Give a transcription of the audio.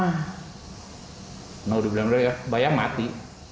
kalau diberi berita kebayang mati